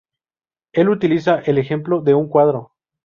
Él utiliza el ejemplo de un cuadro.